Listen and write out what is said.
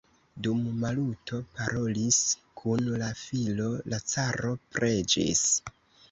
Dum Maluto parolis kun la filo, la caro preĝis.